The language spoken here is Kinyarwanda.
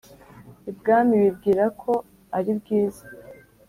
ibwami bibwirako ari bwiza